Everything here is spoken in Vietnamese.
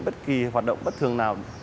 bất kỳ hoạt động bất thường nào